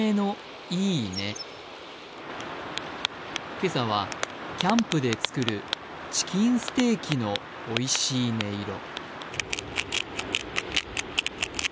今朝はキャンプで作るチキンステーキのおいしい音色。